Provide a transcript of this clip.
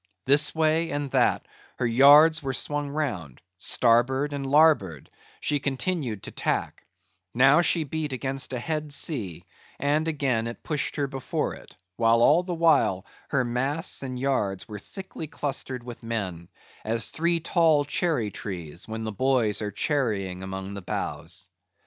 This way and that her yards were swung round; starboard and larboard, she continued to tack; now she beat against a head sea; and again it pushed her before it; while all the while, her masts and yards were thickly clustered with men, as three tall cherry trees, when the boys are cherrying among the boughs.